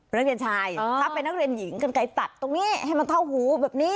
นักเรียนชายถ้าเป็นนักเรียนหญิงกันไกลตัดตรงนี้ให้มันเท่าหูแบบนี้